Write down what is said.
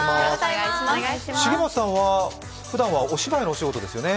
重松さんは、ふだんはお芝居のお仕事ですよね？